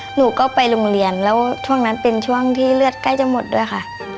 หนูก็ไปโรงเรียนแล้วช่วงนั้นเป็นช่วงที่เลือดใกล้จะหมดด้วยค่ะ